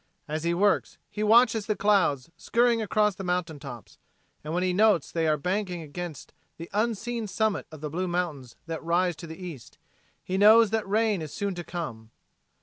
As he works he watches the clouds scurrying across the mountaintops, and when he notes they are banking against the unseen summit of the Blue Mountains that rises to the east, he knows that rain is soon to come.